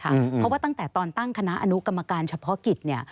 เพราะว่าตั้งแต่ตอนตั้งคณะอนุกรรมการเฉพาะกิจ